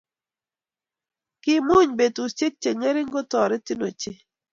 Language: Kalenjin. Kimuny betushiek chengering kotoretin ochei